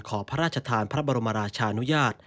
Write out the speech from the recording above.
ขอพระราชทานพระบรมราชานุญาต